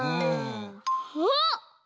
あっ！